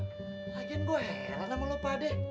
lagian gue heran sama lo pak deh